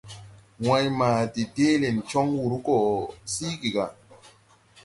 Wãy ma de deele cɔŋ wǔr gɔ síigi gà.